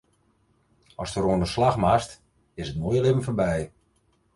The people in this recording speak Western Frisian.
Ast wer oan 'e slach moatst, is it moaie libben foarby.